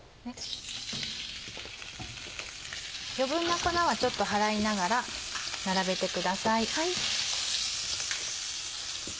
余分な粉はちょっと払いながら並べてください。